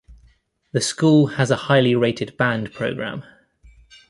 The school has a highly rated band program.